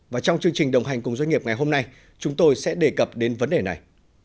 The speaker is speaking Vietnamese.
và trong chương trình đồng hành cùng doanh nghiệp ngày hôm nay chúng tôi sẽ đề cập đến vấn đề này